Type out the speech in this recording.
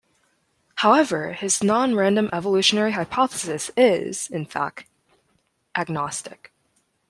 However, his Non Random Evolutionary Hypothesis is, in fact, agnostic.